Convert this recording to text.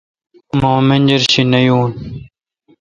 مہ منجر شی نہ یون